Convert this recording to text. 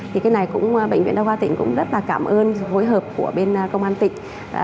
thì cái này cũng bệnh viện đa khoa tỉnh cũng rất là cảm ơn hối hợp của bên công an tỉnh